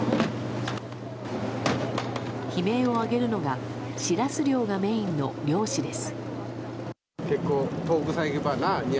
悲鳴を上げるのがシラス漁がメインの漁師です。